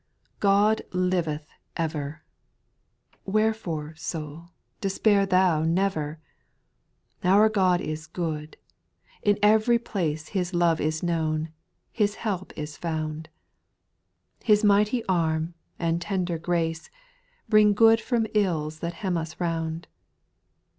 nOD liveth ever ! VJ Wherefore, soul, despair thou never I Our God is good ; in ev'ry place His love is known, His help is found ; His mighty arm, and tender grace. Bring good from ills that hem us round.